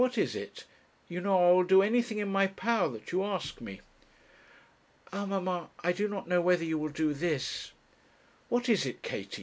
what is it? you know I will do anything in my power that you ask me.' 'Ah, mamma, I do not know whether you will do this.' 'What is it, Katie?